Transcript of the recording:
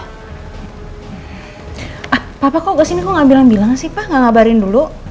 pak papa kok kesini kok gak bilang bilang sih pak gak ngabarin dulu